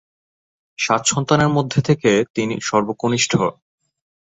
সাত সন্তানের মধ্যে থেকে তিনি সর্বকনিষ্ঠ।